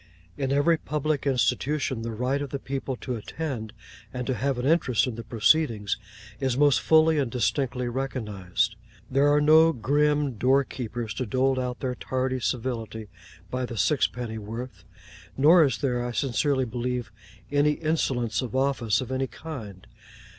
In every Public Institution, the right of the people to attend, and to have an interest in the proceedings, is most fully and distinctly recognised. There are no grim door keepers to dole out their tardy civility by the sixpenny worth; nor is there, I sincerely believe, any insolence of office of any kind.